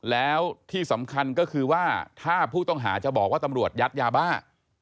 แล้วที่สำคัญก็คือว่าถ้าผู้ต้องหาจะบอกว่าตำรวจยัดยาบ้า